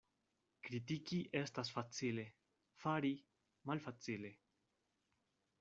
Kritiki estas facile, fari malfacile.